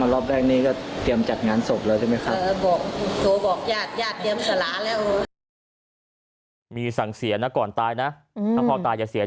แล้วก็ปั๊มอีกรอบนึงขึ้นมาอีก